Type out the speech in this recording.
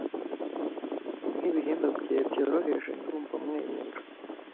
Nkibihimba byawe byoroheje ndumva Umwenyura